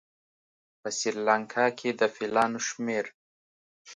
په سریلانکا کې د فیلانو شمېر